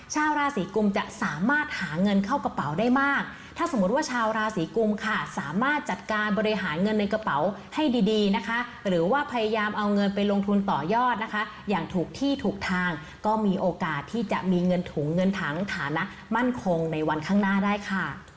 ชาวราศรีกุมค่ะสามารถจัดการบริหารเงินในกระเป๋าให้ดีนะคะหรือว่าพยายามเอาเงินไปลงทุนต่อยอดนะคะอย่างถูกที่ถูกทางก็มีโอกาสที่จะมีเงินถุงเงินถังฐานะมั่นคงในวันข้างหน้าได้ค่ะ